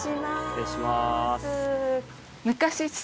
失礼します。